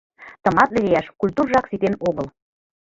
Тыматле лияш культуржак ситен огыл.